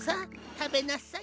たべなさい。